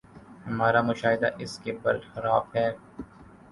ہمارا مشاہدہ اس کے بر خلاف ہے۔